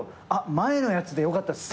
前のやつでよかったです。